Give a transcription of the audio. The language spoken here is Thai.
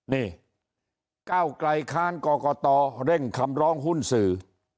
นี่ก้าวไกลค้านกรกตเร่งคำร้องหุ้นสื่อ